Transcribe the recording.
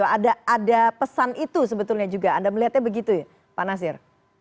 ada pesan itu sebetulnya juga anda melihatnya begitu ya pak nasir